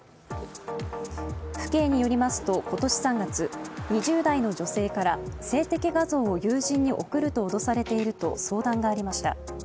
府警によりますと、今年３月、２０代の女性から性的画像を友人に送ると脅されていると相談がありました。